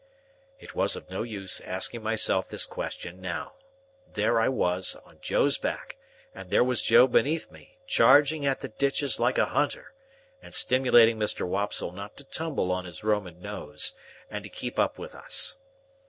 It was of no use asking myself this question now. There I was, on Joe's back, and there was Joe beneath me, charging at the ditches like a hunter, and stimulating Mr. Wopsle not to tumble on his Roman nose, and to keep up with us.